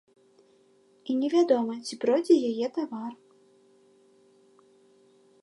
І невядома, ці пройдзе яе тавар.